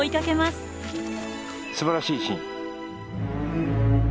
すばらしいシーン。